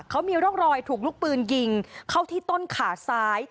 เขามีร่องรอยถูกลูกปืนยิงเข้าที่ต้นขาซ้าย